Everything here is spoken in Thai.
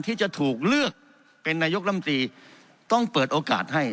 ที่จะถูกเลือกเป็นนายกรรมตรีต้องเปิดโอกาสให้